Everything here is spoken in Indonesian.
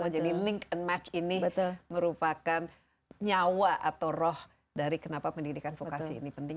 jadi link and match ini merupakan nyawa atau roh dari kenapa pendidikan fokasi ini penting